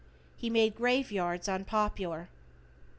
He made grave yards unpopular.